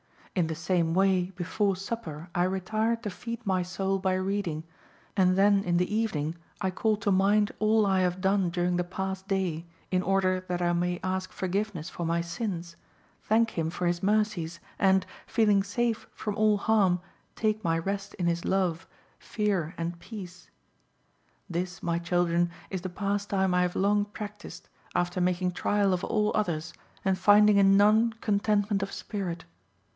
In the same way before supper I retire to feed my soul by reading, and then in the evening I call to mind all I have done during the past day, in order that I may ask forgiveness for my sins, thank Him for His mercies, and, feeling safe from all harm, take my rest in His love, fear, and peace. This, my children, is the pastime I have long practised, after making trial of all others and finding in none contentment of spirit.